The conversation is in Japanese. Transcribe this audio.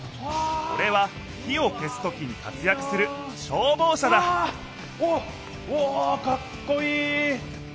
これは火を消すときに活やくする消防車だおおっうわかっこいい！